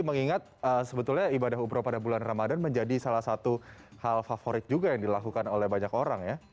mengingat sebetulnya ibadah umroh pada bulan ramadan menjadi salah satu hal favorit juga yang dilakukan oleh banyak orang ya